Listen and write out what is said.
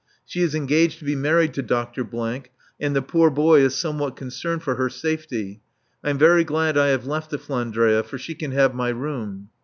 She is engaged to be married to Dr. , and the poor boy is somewhat concerned for her safety. I'm very glad I have left the "Flandria," for she can have my room.